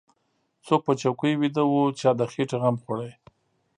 څوک په چوکۍ ويده و چا د خېټې غم خوړ.